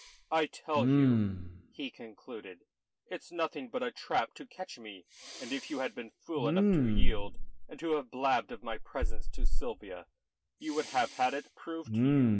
"I tell you," he concluded, "it's nothing but a trap to catch me. And if you had been fool enough to yield, and to have blabbed of my presence to Sylvia, you would have had it proved to you."